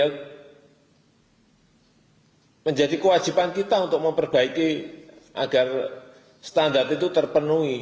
yang menjadi kewajiban kita untuk memperbaiki agar standar itu terpenuhi